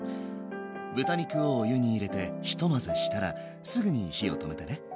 豚肉をお湯に入れてひと混ぜしたらすぐに火を止めてね。